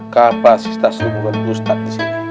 kapasitas lupakan ustad disini